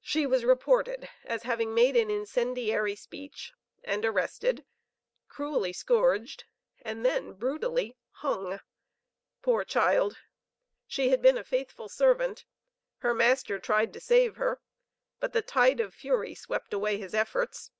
She was reported as having made an incendiary speech and arrested, cruelly scourged, and then brutally hung. Poor child! she had been a faithful servant her master tried to save her, but the tide of fury swept away his efforts.